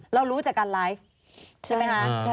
เรารู้จากการไลฟ์ใช่ไหมคะ